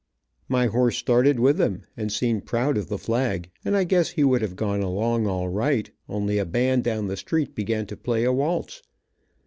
My horse started with them, and seemed proud of the flag, and I guess he would have gone along all right, only a band down the street began to play a waltz.